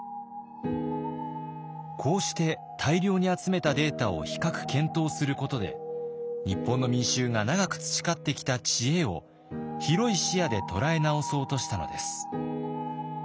こうして大量に集めたデータを比較検討することで日本の民衆が長く培ってきた知恵を広い視野で捉え直そうとしたのです。